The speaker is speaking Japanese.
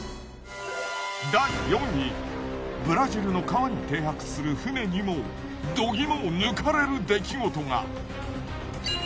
第４位ブラジルの川に停泊する船にも度肝を抜かれる出来事が。